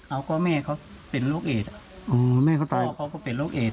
เอาก็แม่เขาเป็นโรคเอดแม่เขาตายเพราะเขาก็เป็นโรคเอด